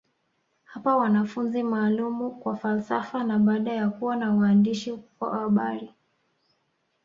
Hapa wanafunzi maalumu kwa falsafa na baada ya kuwa na waandishi wa habari